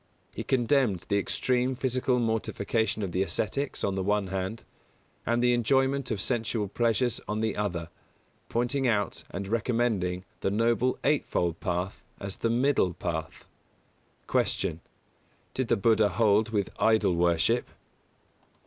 He condemned the extreme physical mortification of the ascetics, on the one hand, and the enjoyment of sensual pleasures on the other; pointing out and recommending the Noble Eightfold Path as the Middle Path. 179. Q. _Did the Buddha hold with idol worship?